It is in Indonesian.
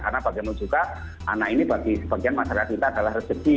karena bagaimana juga anak ini bagi sebagian masyarakat kita adalah rezeki